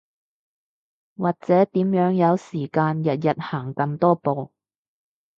或者點樣有時間日日行咁多步